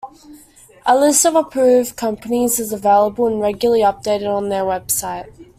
A list of approved companies is available and regularly updated on their website.